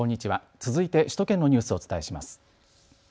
続いて首都圏のニュースをお伝えします。